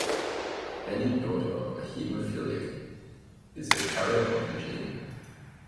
Any daughter of a haemophiliac is a carrier of the gene.